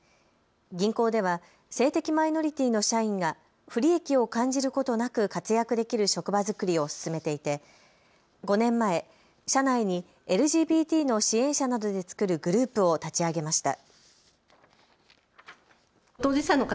銀行では性的マイノリティーの社員が不利益を感じることなく活躍できる職場作りを進めていて５年前、社内にＬＧＢＴの支援者などで作るグループを立ち上げました。